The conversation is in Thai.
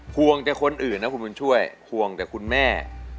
ห่วงแต่คนอื่นนะคุณบุญช่วยห่วงแต่คุณแม่